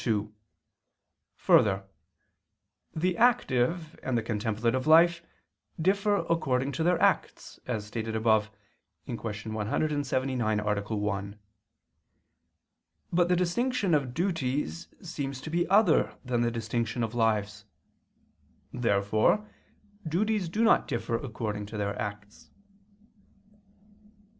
2: Further, the active and the contemplative life differ according to their acts, as stated above (Q. 179, A. 1). But the distinction of duties seems to be other than the distinction of lives. Therefore duties do not differ according to their acts.